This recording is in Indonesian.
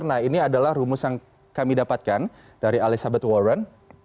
nah ini adalah rumus yang kami dapatkan dari elizabeth warren